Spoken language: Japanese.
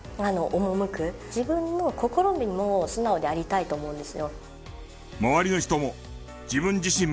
自分の心にも素直でありたいと思うんですよ。